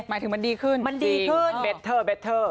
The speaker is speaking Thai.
หมายถึงมันดีขึ้นมันดีขึ้นเบ็ดเทอร์เบเทอร์